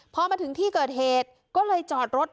พอมาถึงที่เกิดเหตุก็เลยจอดรถ